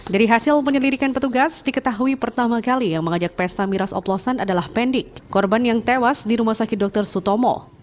dari hasil penyelidikan petugas diketahui pertama kali yang mengajak pesta miras oplosan adalah pendik korban yang tewas di rumah sakit dr sutomo